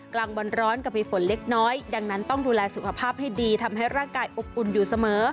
กลางวันร้อนก็มีฝนเล็กน้อยดังนั้นต้องดูแลสุขภาพให้ดีทำให้ร่างกายอบอุ่นอยู่เสมอ